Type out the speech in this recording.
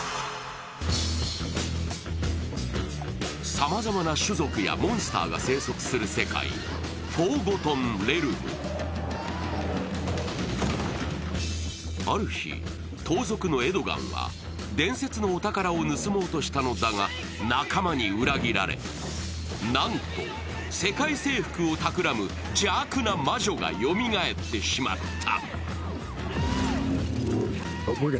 さまざまな種族やモンスターが生息する世界フォーゴトン・レルムある日、盗賊のエドガンは伝説のお宝を盗もうとしたのだが仲間に裏切られ、なんと、世界征服をたくらむ邪悪な魔女がよみがえってしまった。